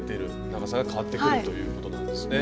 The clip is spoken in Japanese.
長さが変わってくるということなんですね。